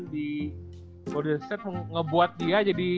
di golden state ngebuat dia jadi